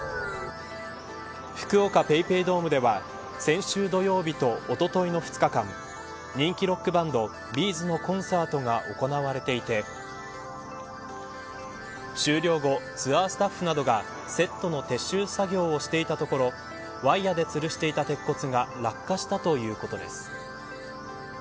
福岡ＰａｙＰａｙドームでは先週土曜日と、おとといの２日間人気ロックバンドＢｚのコンサートが行われていて終了後、ツアースタッフなどがセットの撤収作業をしていたところワイヤでつるしていた鉄骨が落下したということです。